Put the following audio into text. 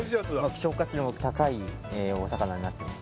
・希少価値の高いお魚になってます